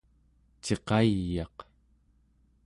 ciqay'aq